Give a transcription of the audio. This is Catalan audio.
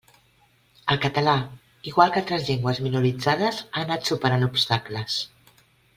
El català, igual que altres llengües minoritzades, ha anat superant obstacles.